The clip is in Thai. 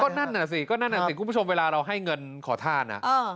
นั่นน่ะสิก็นั่นน่ะสิคุณผู้ชมเวลาเราให้เงินขอทาน